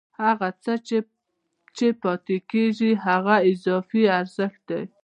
هغه څه چې پاتېږي هغه اضافي ارزښت دی